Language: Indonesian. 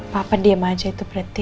papa diem aja itu berarti